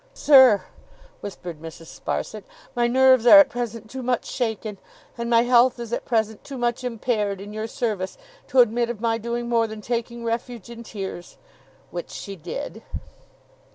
'Sir,' whispered Mrs. Sparsit, 'my nerves are at present too much shaken, and my health is at present too much impaired, in your service, to admit of my doing more than taking refuge in tears.' (Which she did.)